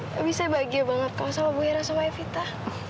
tapi saya bahagia banget kalau sama bu ira sama evita